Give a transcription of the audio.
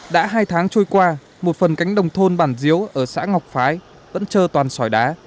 đã hai tháng trôi qua một phần cánh đồng thôn bản diếu ở xã ngọc phái vẫn trơ toàn sỏi đá